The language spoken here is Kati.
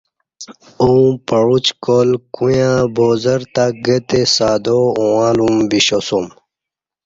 اوں بعوچکال کویاں بازارتہ گہ تے سادا اوݣہ لوم ویشاسوم